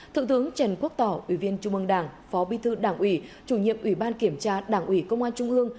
thượng tướng trần quốc tỏ ủy viên trung ương đảng phó bí thư đảng ủy chủ nhiệm ủy ban kiểm tra đảng ủy công an trung ương